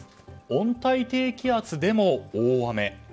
温帯低気圧でも大雨。